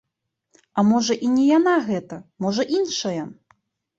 А можа і не яна гэта, можа іншая.